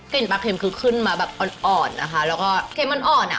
ปลาเข็มคือขึ้นมาแบบอ่อนนะคะแล้วก็เค็มมันอ่อนอ่ะ